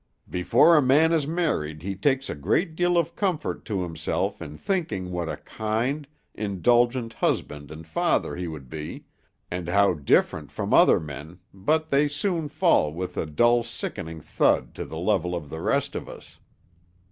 Before a man is married he takes a great deal of comfort to himself in thinking what a kind, indulgent husband and father he would be, and how different from other men, but they soon fall with a dull sickening thud to the level of the rest of us.